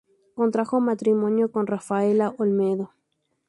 Contrajo matrimonio con Rafaela Olmedo.